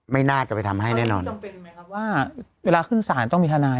ไม่น่าจะไปทำให้แน่นอนต้องเป็นไหมครับว่าเวลาขึ้นสารต้องมีทนาย